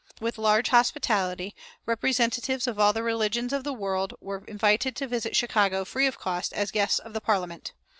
With large hospitality, representatives of all the religions of the world were invited to visit Chicago, free of cost, as guests of the Parliament.